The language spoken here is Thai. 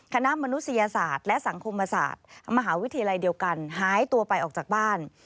มนุษยศาสตร์และสังคมศาสตร์มหาวิทยาลัยเดียวกันหายตัวไปออกจากบ้าน